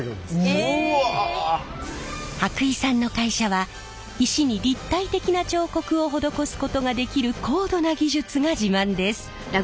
伯井さんの会社は石に立体的な彫刻を施すことができる高度な技術が自慢です。